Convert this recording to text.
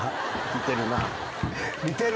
似てるなぁ。